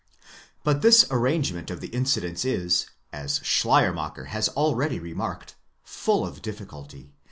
But this arrangement of the incidents is, as Schleiermacher has already remarked, full of difficulty?